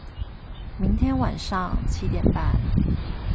明天晚上七點半